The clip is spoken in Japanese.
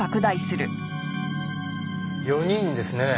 ４人ですね。